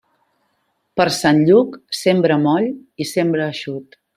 Per Sant Lluc, sembra moll i sembra eixut.